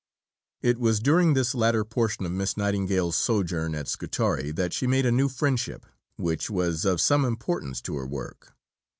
It was during this latter portion of Miss Nightingale's sojourn at Scutari that she made a new friendship, which was of some importance to her work.